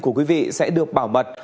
của quý vị sẽ được bảo mật